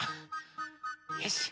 よし。